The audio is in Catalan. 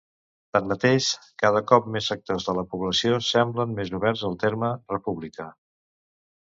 Tanmateix, cada cop més sectors de la població semblen més oberts al terme "república".